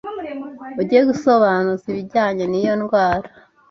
uje gusobanuza ibijyanye n’iyo ndwara